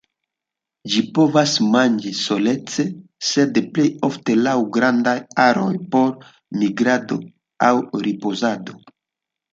Ĝi povas manĝi solece sed plej ofte laŭ grandaj aroj por migrado aŭ ripozado.